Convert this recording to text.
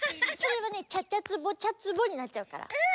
それはね「ちゃちゃつぼちゃつぼ」になっちゃうから。